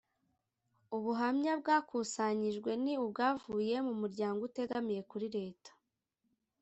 ubuhamya bwakusanyijwe ni ubwavuye mu muryango utegamiye kuri leta